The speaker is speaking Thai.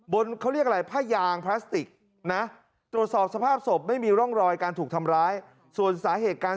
บนเขาเรียกอะไรผ้ายางพลาสติกนะ